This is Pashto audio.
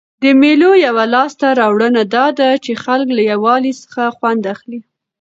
د مېلو یوه لاسته راوړنه دا ده، چي خلک له یووالي څخه خوند اخلي.